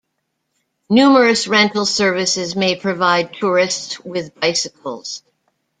Numerous rental services may provide tourists with bicycles.